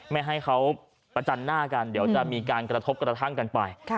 ไม่ให้เขาประจันหน้ากันเดี๋ยวจะมีการกระทบกระทั่งกันไป